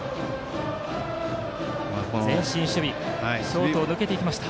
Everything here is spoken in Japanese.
前進守備のショートを抜けていった。